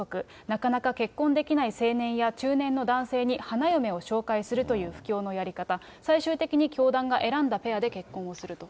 なかなか結婚できない青年や、中年の男性に花嫁を紹介するという布教のやり方、最終的に教団が選んだペアで結婚をすると。